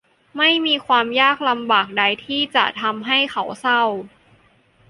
ไม่มีความยากลำบากใดที่จะทำให้เขาเศร้า